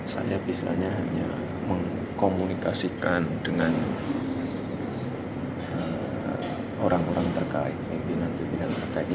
saya bisa hanya mengkomunikasikan dengan orang orang terkait